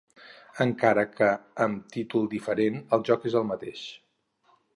Encara que amb títol diferent el joc és el mateix.